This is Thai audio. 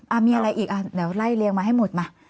มีอะไรอีกอ่ะเดี๋ยวไล่เรียงมาให้หมดมา